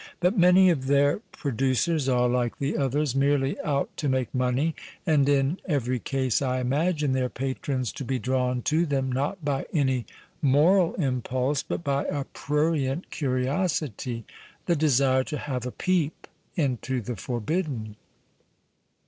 But many of their producers are, like the others, merely out to make money, and in every case I imagine their patrons to be drawn to them not by any moral impulse, but by a prurient PASTICHE AND PREJUDICE curiosity — the desire to have a peep into the for bidden.